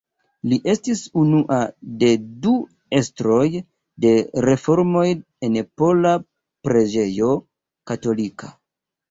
Li estis unua de du estroj de reformoj en pola preĝejo katolika.